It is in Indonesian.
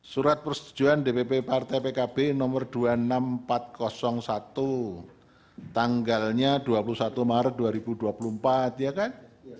surat persetujuan dpp partai pkb nomor dua ribu enam ribu empat ratus satu tanggalnya dua puluh satu maret dua ribu dua puluh empat ya kan